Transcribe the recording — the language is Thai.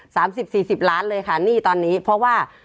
สามสิบสี่สิบล้านเลยค่ะหนี้ตอนนี้เพราะว่า